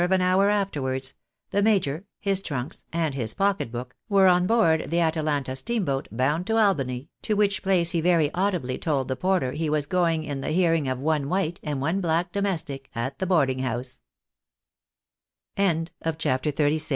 of an hour afterwards, the major, his trunks, and his pocket book, were on board the Atalanta steamboat, bound to Albany, to which place he very audibly told the porter he was going in the hearing of one white and one black domestic at the boarding house. CHAPTER XXXVII.